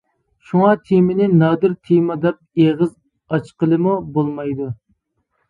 شۇڭا تېمىنى نادىر تېما دەپ ئېغىز ئاچقىلىمۇ بولمايدۇ.